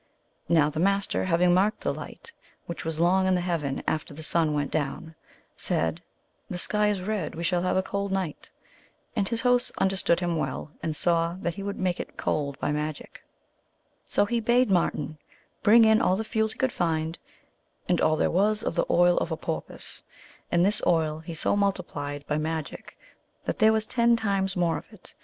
Now the Master, having marked the light, which was long in the heaven after the sun went down, said, " The sky is red ; we shall have a cold night." And his host understood him well, and saw that he would make it cold by magic. So he bade Marten bring in all the fuel he could find, and all there was of the oil of a porpoise ; and this oil he so multiplied by magic that there was ten times more of it.